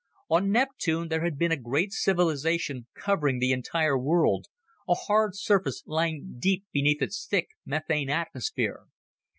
On Neptune there had been a great civilization covering the entire world, a hard surface lying deep beneath its thick methane atmosphere.